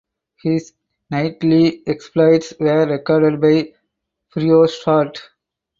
His knightly exploits were recorded by Froissart.